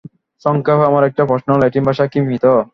সংক্ষেপে, আমার একটাই প্রশ্নঃ ল্যাটিন ভাষা কি মৃত?